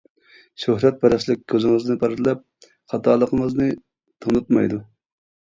شۆھرەتپەرەسلىك كۆزىڭىزنى پەردىلەپ، خاتالىقىڭىزنى تونۇتمايدۇ.